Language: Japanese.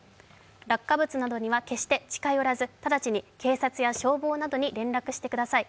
落下物などには決して近寄らず直ちに警察や消防などに連絡してください。